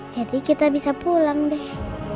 jadi kita bisa pulang deh